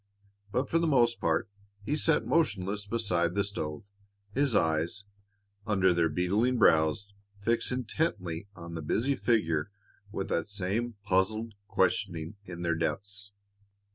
But for the most part he sat motionless beside the stove, his eyes, under their beetling brows, fixed intently on the busy figure with that same puzzled questioning in their depths.